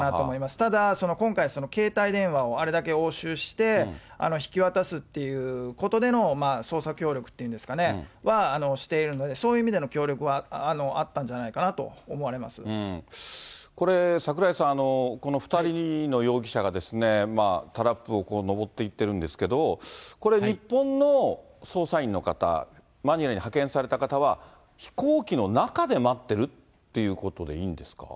ただ、今回、携帯電話をあれだけ押収して、引き渡すっていうことでの捜査協力っていうんですかね、しているので、そういう意味での協力はあったんじゃないかなと思これ、櫻井さん、この２人の容疑者がタラップを上っていってるんですけど、これ、日本の捜査員の方、マニラに派遣された方は、飛行機の中で待ってるっていうことでいいんですか。